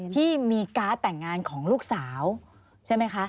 ที่มีการ์ดแต่งงานของลูกสาวใช่ไหมคะ